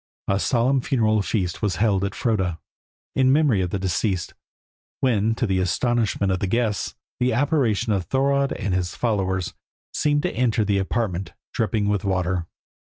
A solemn funeral feast was held at Froda, in memory of the deceased, when, to the astonishment of the guests, the apparition of Thorodd and his followers seemed to enter the apartment dripping with water.